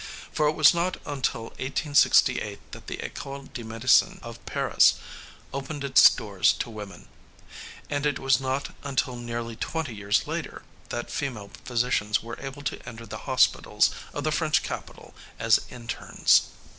For it was not until 1868 that the École de Medicine of Paris opened its doors to women, and it was not until nearly twenty years later that female physicians were able to enter the hospitals of the French capital as internes.